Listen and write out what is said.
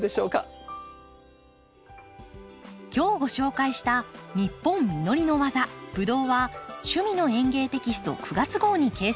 今日ご紹介した「ニッポン実りのわざブドウ」は「趣味の園芸」テキスト９月号に掲載されています。